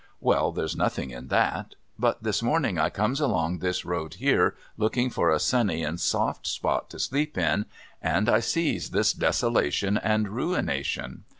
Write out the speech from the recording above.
Well, there's nothing in that. But this morning I comes along this road here, looking for a sunny and soft spot to sleep in, and I sees this desolation and ruination.